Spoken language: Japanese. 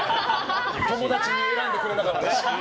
友達に選んでくれなかったし。